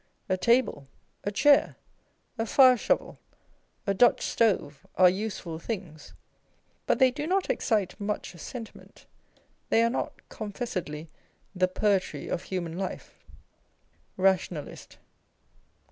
A table, a chair, a fire shovel, a Dutch stove are useful things, but they do not excite much senti ment â€" they are not confessedly the poetry of human life. Rationalist.